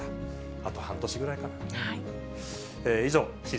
あと半年ぐらいかな。